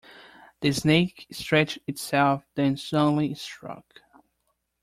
The snake stretched itself, then suddenly struck.